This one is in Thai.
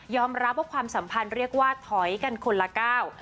รับว่าความสัมพันธ์เรียกว่าถอยกันคนละก้าว